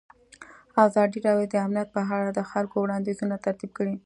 ازادي راډیو د امنیت په اړه د خلکو وړاندیزونه ترتیب کړي.